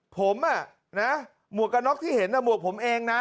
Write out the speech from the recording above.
ผมอะนะหมวกกันน็อคที่เห็นอะหมวกผมเองนะ